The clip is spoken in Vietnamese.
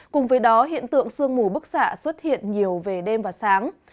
cùng với đó hiện tượng sương mù bức xạ xuất hiện nhiều về đêm và sáng